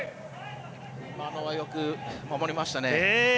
今のはよく守りましたね。